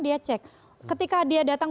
dia cek ketika dia datang